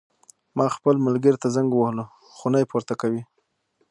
ما خپل ملګري ته زنګ ووهلو خو نه یې پورته کوی